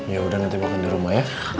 yaudah nanti makan di rumah ya